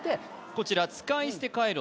こちら使い捨てカイロ